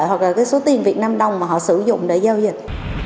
hoặc là cái số tiền việt nam đồng mà họ sử dụng để giao dịch